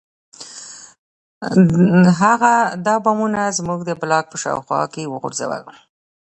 هغه دا بمونه زموږ د بلاک په شاوخوا کې وغورځول